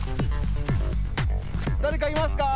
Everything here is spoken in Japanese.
だれかいますか？